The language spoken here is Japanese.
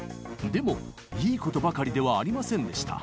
でもいいことばかりではありませんでした。